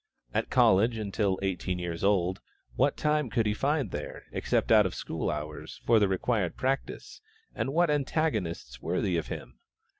At college, until eighteen years old, what time could he find there, except out of school hours, for the required practice, and what antagonists worthy of him?